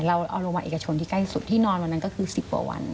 เราเอาโรงพยาบาลเอกชนที่ใกล้สุดที่นอนวันนั้นก็คือ๑๐กว่าวัน